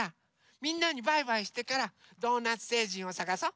みんなにバイバイしてからドーナツせいじんをさがそう。